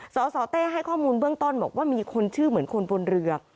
สสเต้ให้ข้อมูลเบื้องต้นบอกว่ามีคนชื่อเหมือนคนบนเรือ